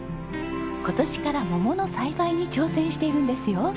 今年から桃の栽培に挑戦しているんですよ。